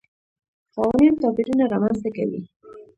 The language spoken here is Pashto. قوانین توپیرونه رامنځته کوي.